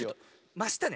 ましたね。